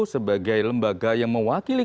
sebagai lembaga yang mewakili